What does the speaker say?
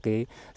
sinh cảnh bóng